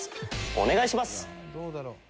お願いします！